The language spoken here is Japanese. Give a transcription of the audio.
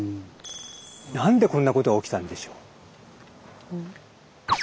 なんでこんなことが起きたんでしょう？